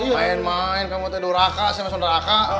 main main kamu tuh duraka saya masuk neraka